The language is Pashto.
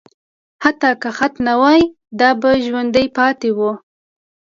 حتی که خط نه وای، دا به ژوندي پاتې وو.